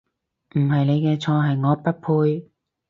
唔係你嘅錯，係我不配